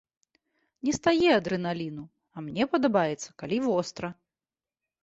Нестае адрэналіну, а мне падабаецца, калі востра.